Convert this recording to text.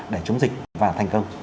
để chống dịch và thành công